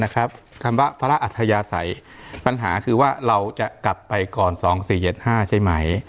คำว่าพระราชอัธยาศัยปัญหาคือว่าเราจะกลับไปก่อน๒๔๗๕ใช่ไหม